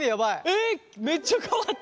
えっめっちゃ変わった。